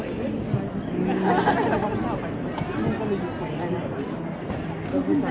เวลาแรกพี่เห็นแวว